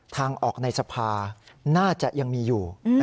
ทางออกในสภาน่าจะยังมีอยู่